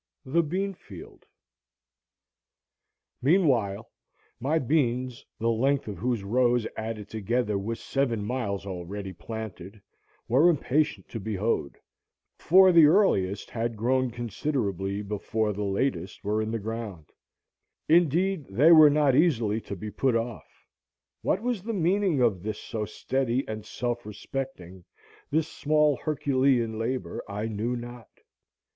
The Bean Field Meanwhile my beans, the length of whose rows, added together, was seven miles already planted, were impatient to be hoed, for the earliest had grown considerably before the latest were in the ground; indeed they were not easily to be put off. What was the meaning of this so steady and self respecting, this small Herculean labor, I knew not.